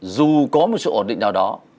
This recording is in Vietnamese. dù có một sự ổn định nào đó